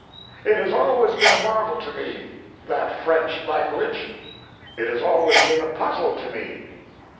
It has always been a marvel to me—that French language; it has always been a puzzle to me.